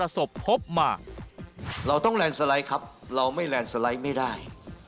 สลัยไม่ได้